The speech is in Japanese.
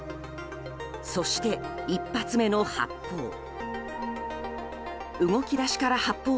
そして、１発目の発砲。